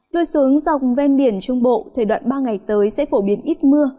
lôi xuống dòng ven biển trung bộ thời đoạn ba ngày tới sẽ phổ biến ít mưa